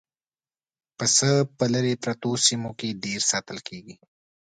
پسه په لرې پرتو سیمو کې ډېر ساتل کېږي.